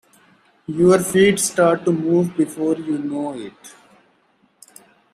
Your feet start to move before you know it.